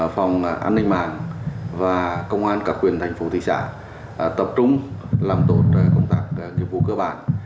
phòng an ninh mạng và công an các quyền thành phố thị xã tập trung làm tốt công tác nghiệp vụ cơ bản